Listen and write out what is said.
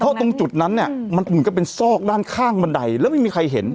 เพราะตรงจุดนั้นเนี่ยมันเหมือนกับเป็นซอกด้านข้างบันไดแล้วไม่มีใครเห็น